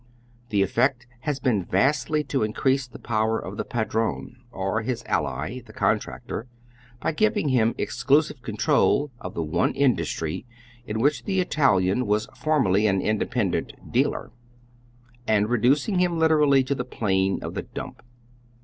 oy Google tCoO^JjE The effect lias been vastly to increase the power of tlie padi one, or Lis ally, tlie contractor, by giving liiin exclu sive control of tbe one industry in wliicli the Italian was formerly an independent "dealer," and redncingbim liter ally to tlie plane of tbe dump.